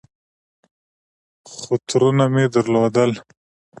خو ترونه مې درلودل.